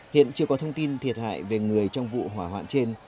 hiện chưa có thông tin thiệt hại về người trong vụ hỏa hoạn trên